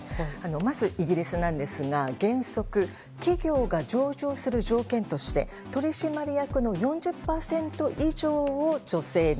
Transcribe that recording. まずイギリスですが原則企業が上場する条件として取締役の４０％以上を女性に。